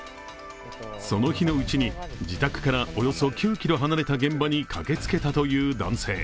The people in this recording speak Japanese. その日のうちに、自宅からおよそ８ｋｍ離れた現場に駆けつけたという男性。